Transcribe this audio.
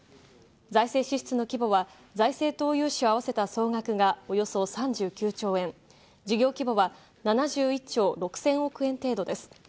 財政支出の規模は財政投融資をあわせた総額がおよそ３９兆円、事業規模は７１兆６０００億円程度です。